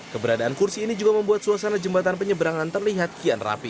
keberadaan kursi ini juga membuat suasana jembatan penyeberangan terlihat kian rapi